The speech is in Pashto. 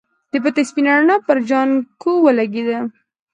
د بتۍ سپينه رڼا پر جانکو ولګېده.